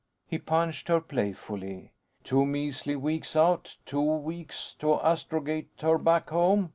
He punched her playfully. "Two measly weeks out, two weeks to astrogate her back home.